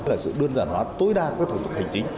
là sự đơn giản hóa tối đa các thủ tục hành chính